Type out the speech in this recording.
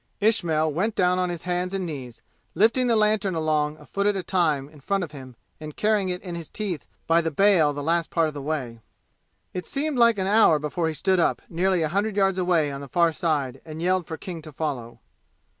Ismail went down on his hands and knees, lifting the lantern along a foot at a time in front of him and carrying it in his teeth by the bail the last part of the way. It seemed like an hour before he stood up, nearly a hundred yards away on the far side, and yelled for King to follow.